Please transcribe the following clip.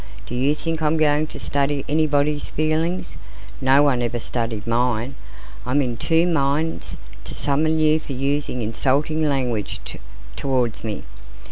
Do you think I'm going to study anybody's feelings? No one ever studied mine! I'm in two minds to summon you for using insulting language towards me!"